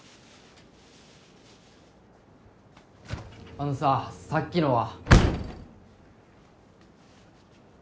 あのささっきのは。